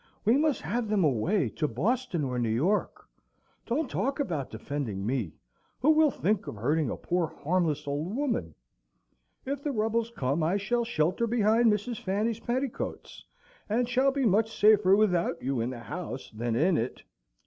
We must have them away to Boston or New York. Don't talk about defending me! Who will think of hurting a poor, harmless, old woman? If the rebels come, I shall shelter behind Mrs. Fanny's petticoats, and shall be much safer without you in the house than in it."